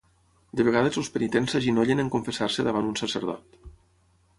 De vegades els penitents s'agenollen en confessar-se davant un sacerdot.